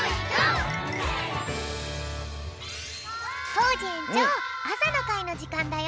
コージえんちょうあさのかいのじかんだよ。